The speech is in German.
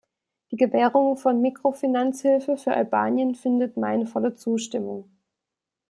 Die Gewährung von Makrofinanzhilfe für Albanien findet meine volle Zustimmung.